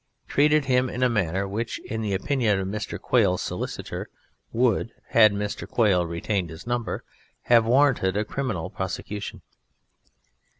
treated him in a manner which (in the opinion of Mr. Quail's solicitor) would (had Mr. Quail retained his number) have warranted a criminal prosecution.